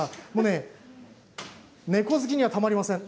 猫好きにはたまりません。